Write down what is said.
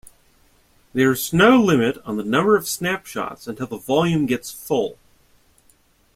There is no limit on the number of snapshots until the volume gets full.